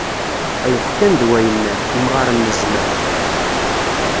Ay ḥkan d way nnan, imɣaṛen n zzman!